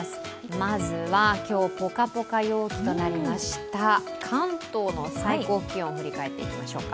まずは今日、ぽかぽか陽気となりました関東の最高気温振り返っていきましょうか。